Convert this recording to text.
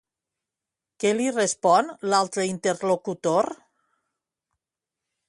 Què li respon l'altre interlocutor?